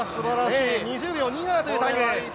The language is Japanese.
２０秒２７というタイム。